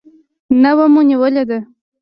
نوه مو نیولې ده.